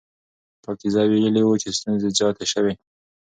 پاکیزه ویلي وو چې ستونزې زیاتې شوې.